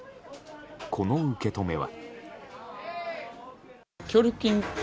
この受け止めは。